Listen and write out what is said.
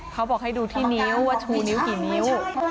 เขาบอกให้ดูที่นิ้วว่าชูนิ้วกี่นิ้ว